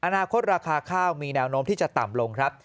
อนาคตราคาข้าวมีแนวโน้มที่จะต่ำลงครับ